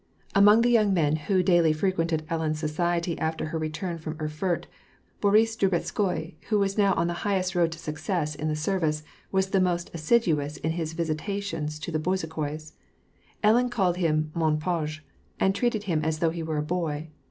Among the young men who daily frequented Ellen's society after her return from Erfurt, Boris Drubetskoi, who was now on the high road to success in the service, was the most assiduous in his visitations at the Beznkhois. Ellen called him mon page, and treated him as though he were a boy.